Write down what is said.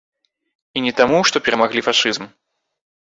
І не таму, што перамаглі фашызм.